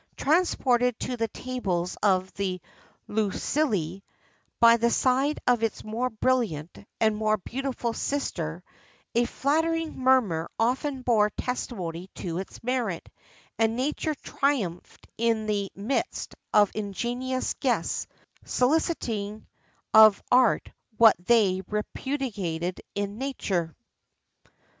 Transported to the tables of the Luculli, by the side of its more brilliant and more beautiful sister, a flattering murmur often bore testimony to its merit, and nature triumphed in the midst of ingenious guests, soliciting of art what they repudiated in nature.